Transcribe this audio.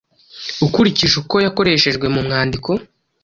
ukurikije uko yakoreshejwe mu mwandiko: